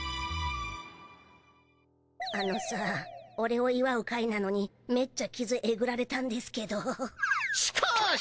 あのさオレを祝う会なのにめっちゃ傷えぐられたんですけどしかし！